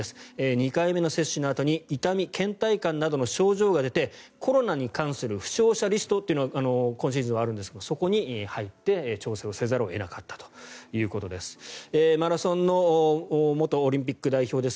２回目の接種のあとに痛み、けん怠感などの症状が出てコロナに関する負傷者リストというのが今シーズンはあるんですがそこに入って調整をせざるを得なかったということです。